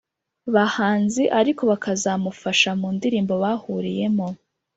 bahanzi ariko bakazamufasha mu ndirimbo bahuriyemo.